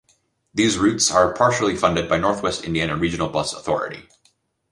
Those routes are partially funded by Northwest Indiana Regional Bus Authority.